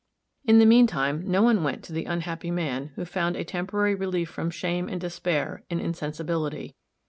In the mean time no one went to the unhappy man, who found a temporary relief from shame and despair in insensibility.